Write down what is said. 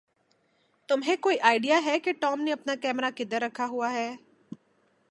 تمھیں کوئی آئڈیا ہے کہ ٹام نے اپنا کیمرہ کدھر دکھا ہوا ہے؟